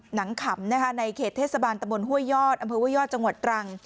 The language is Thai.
ขำในเขตเทศบาลตะบนห้วยยอดอำเภอห้วยยอดจังหวัดตรัง